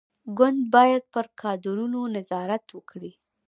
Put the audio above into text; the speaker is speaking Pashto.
ګوند باید پر کادرونو نظارت وکړي.